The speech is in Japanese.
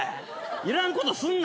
いらんことすんな。